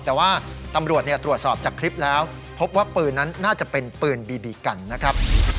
แต่ว่าตำรวจตรวจสอบจากคลิปแล้วพบว่าปืนนั้นน่าจะเป็นปืนบีบีกันนะครับ